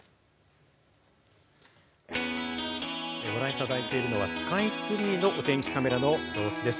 ご覧いただいているのはスカイツリーのお天気カメラの様子です。